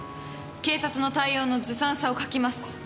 警察の対応のずさんさを書きます。